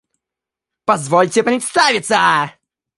Позвольте представиться!